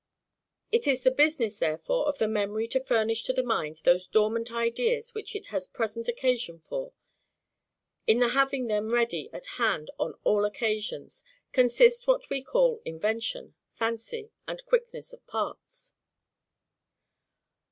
It is the business therefore of the memory to furnish to the mind those dormant ideas which it has present occasion for; in the having them ready at hand on all occasions, consists that which we call invention, fancy, and quickness of parts.